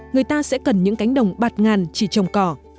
người ta sẽ cần những cánh đồng bạt ngàn chỉ trồng cỏ